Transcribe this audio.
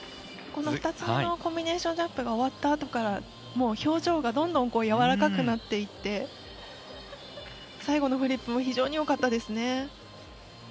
２つ目のコンビネーションジャンプが終わった後から表情がどんどん柔らかくなっていって最後のフリップも非常によかったです。